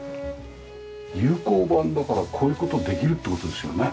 有孔板だからこういう事できるって事ですよね。